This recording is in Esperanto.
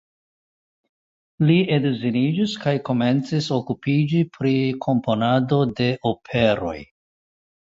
Li edziĝis kaj komencis okupiĝi pri komponado de operoj.